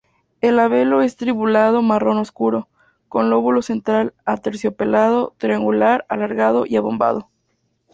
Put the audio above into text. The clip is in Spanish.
El labelo es trilobulado marrón oscuro, con lóbulo central aterciopelado, triangular, alargado y abombado.